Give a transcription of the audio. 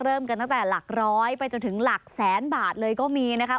เริ่มกันตั้งแต่หลักร้อยไปจนถึงหลักแสนบาทเลยก็มีนะคะ